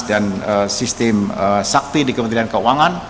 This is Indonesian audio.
dan sistem sakti di kementerian keuangan